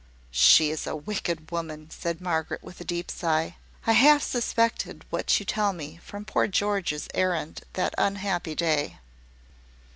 "She is a wicked woman," said Margaret, with a deep sigh. "I half suspected what you tell me, from poor George's errand that unhappy day."